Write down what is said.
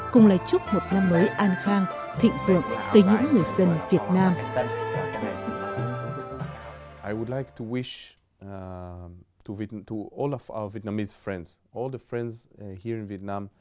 cùng lời chúc một năm mới an khang thịnh vượng tới những người dân việt nam